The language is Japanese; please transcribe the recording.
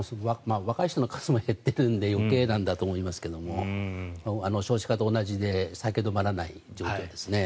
若い人の数も減っているので余計なんだと思いますが少子化と同じで下げ止まらない状況ですね。